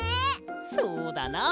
そうだな。